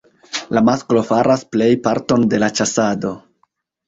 La masklo faras plej parton de la ĉasado.